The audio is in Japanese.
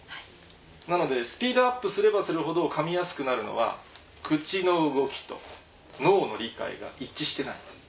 なのでスピードアップすればするほど噛みやすくなるのは口の動きと脳の理解が一致してない。